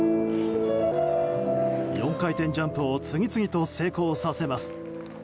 ４回転ジャンプを次々と成功させます。